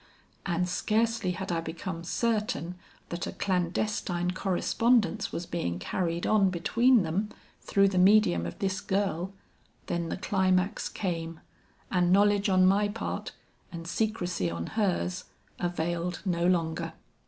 And scarcely had I become certain that a clandestine correspondence was being carried on between them through the medium of this girl, then the climax came, and knowledge on my part and secrecy on hers availed no longer.